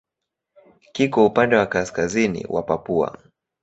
Kiko upande wa kaskazini wa Papua.